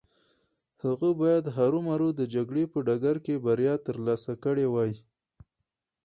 هغه بايد هرو مرو د جګړې په ډګر کې بريا ترلاسه کړې وای.